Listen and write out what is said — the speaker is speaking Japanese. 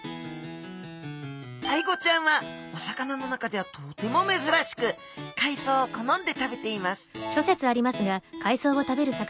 アイゴちゃんはお魚の中ではとてもめずらしく海藻を好んで食べています